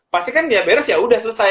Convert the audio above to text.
pasti kan dia beres ya udah selesai